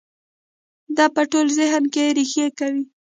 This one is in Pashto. د ده په ټول ذهن کې رېښې کوي.